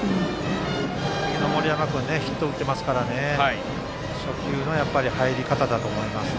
次の森山君ヒット打っていますから初球の入り方だと思います。